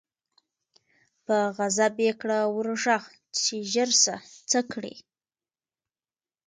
په غضب یې کړه ور ږغ چي ژر سه څه کړې